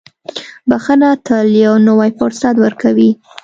• بښنه تل یو نوی فرصت ورکوي.